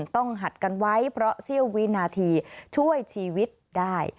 หัดกันไว้เพราะเสี้ยววินาทีช่วยชีวิตได้